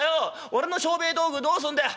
俺の商売道具どうすんだよ」。